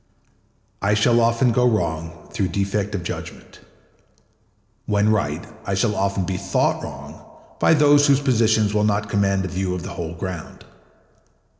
I shall often go wrong through defect of judgment. When right, I shall often be thought wrong by those whose positions will not command a view of the whole ground.